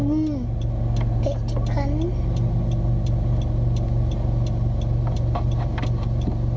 อืมเตะอีกครั้งนี้